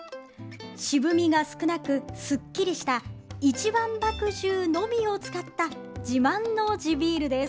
渋みが少なく、スッキリした一番麦汁のみを使った自慢の地ビールです。